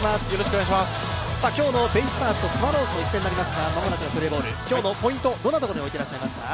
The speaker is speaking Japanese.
今日のベイスターズとスワローズの一戦になりますが、まもなくプレーボール、今日のポイント、どんなところに置いていますか。